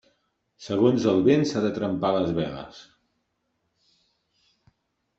Segons el vent s'han de trempar les veles.